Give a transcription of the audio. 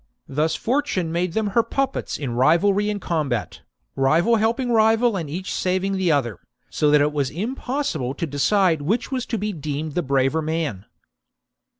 Thus Fortune made them her puppets in rivalry and combat, rival helping rival and each saving the other, so that it was impossible to decide which was to be deemed the braver man.